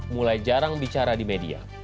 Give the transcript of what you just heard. mulai jarang bicara di media